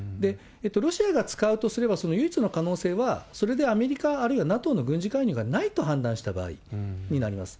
ロシアが使うとすれば、その唯一の可能性は、それでアメリカ、あるいはＮＡＴＯの軍事介入がないと判断した場合になります。